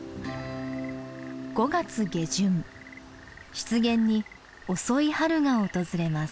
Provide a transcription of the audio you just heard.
湿原に遅い春が訪れます。